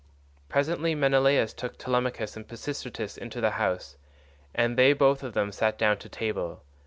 Presently Menelaus took Telemachus and Pisistratus into the house, and they both of them sat down to table.